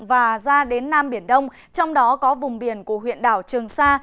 và ra đến nam biển đông trong đó có vùng biển của huyện đảo trường sa